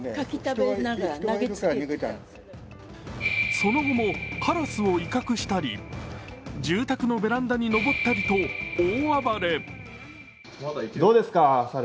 その後もカラスを威嚇したり、住宅のベランダに登ったりと、大暴れ。